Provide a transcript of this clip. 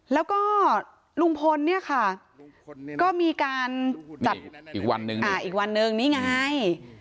แล้วก็ลุงพลเนี่ยค่ะก็มีการจัดอีกวันนึงอีกวันนึงนี่ไง